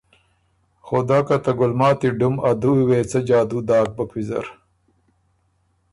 خُدۀ که ته ګلماتی ډُم ا دُوی وې څۀ جادو داک بُک ویزر،